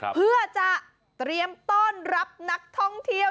เพื่อจะเตรียมต้อนรับนักท่องเที่ยว